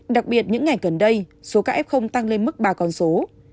đặc biệt những ngày gần đây số các f tăng lên mức ba con số